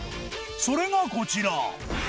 それがこちら